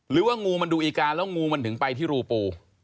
หรือว่างูมันดูอีกาแล้วงูมันถึงไปที่รูปู